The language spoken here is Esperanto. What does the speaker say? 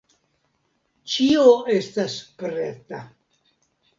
Ĉio estas preta.